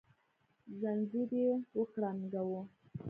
ځنځير يې وکړانګاوه